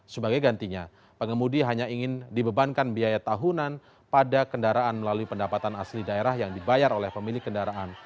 sebagai gantinya pengemudi hanya ingin dibebankan biaya tahunan pada kendaraan melalui pendapatan asli daerah yang dibayar oleh pemilik kendaraan